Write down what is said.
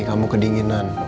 sini kamu kedinginan